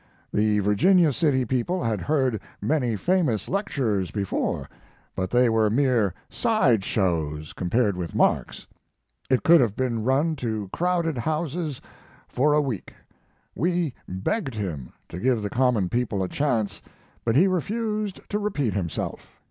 The Virginia City people had heard many famous lectures before, but they were mere sideshows compared with Mark's. It could have been run to crowded houses for a week. We begged him to give the common people a chance; but he refused to repeat himself.